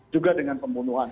juga dengan pembunuhan